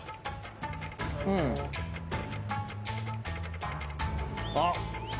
うん。あっ！